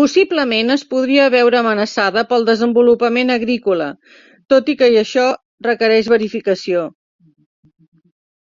Possiblement es podria veure amenaçada pel desenvolupament agrícola, tot i que això requereix verificació.